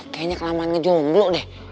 kayaknya kelamaan ngejomblo deh